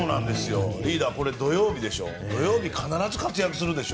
リーダー、これ土曜日でしょ。